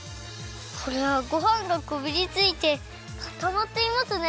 これはごはんがこびりついてかたまっていますね。